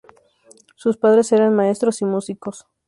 Sus padres eran maestros y músicos.